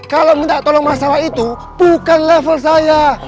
kalau minta tolong masalah itu bukan level saya